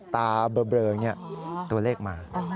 ตาเบลอนี่ตัวเลขมา